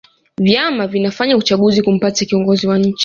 vyama vinafanya uchaguzi kumpata kiongozi wa nchi